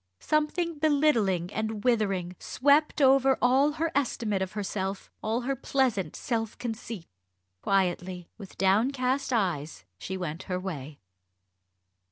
Something belittling and withering swept over all her estimate of herself, all her pleasant self conceit. Quietly, with downcast eyes, she went her way.